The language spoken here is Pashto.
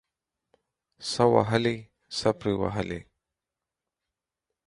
څه وهلي ، څه پري وهلي.